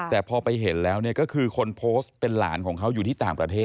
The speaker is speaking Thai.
แต่พอไปเห็นแล้วเนี่ยก็คือคนโพสต์เป็นหลานของเขาอยู่ที่ต่างประเทศ